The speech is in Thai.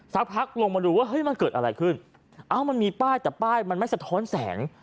สักพักลงมาดูว่าเฮ้ยมันเกิดอะไรขึ้นเอ้ามันมีป้ายแต่ป้ายมันไม่สะท้อนแสง